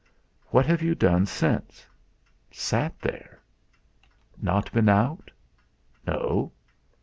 "What have you done since?" "Sat there." "Not been out?" "No."